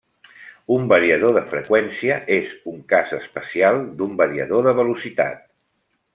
Un variador de freqüència és un cas especial d'un variador de velocitat.